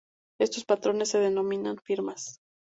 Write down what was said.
Estos patrones se denominan firmas.